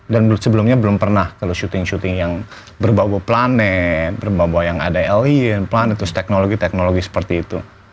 dan sebelumnya belum pernah kalau shooting shooting yang berbobo planet berbobo yang ada alien planet terus teknologi teknologi seperti itu